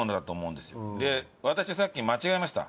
で私さっき間違えました。